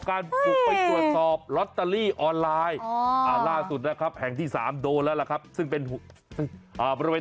ไม่ใช่เรื่องของผน